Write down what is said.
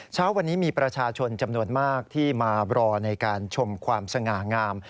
เช้าวันนี้มีประชาชนจำนวนมากที่มารอในการชมความสง่างาม